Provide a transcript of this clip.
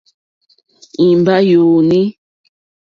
Ìŋɡbá yùùnî.